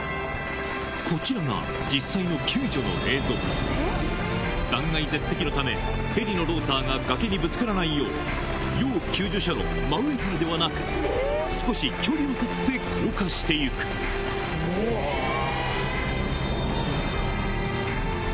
こちらが実際の救助の映像断崖絶壁のためヘリのローターが崖にぶつからないよう要救助者の真上からではなく少し距離を取って降下して行くうわっ！